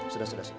sudah sudah sudah